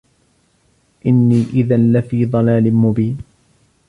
إني إذا لفي ضلال مبين